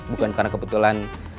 bukan karena kebetulan